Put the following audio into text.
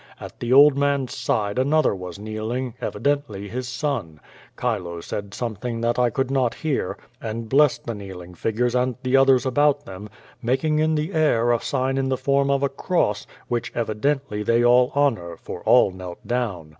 At the old man^s side another was kneeling, evidently his son. Chilo said something that I could not hear, and blessed the kneel ing figures and the others about them, making in the air a sign in the form of a cross, which evidently they all honor, for all knelt down.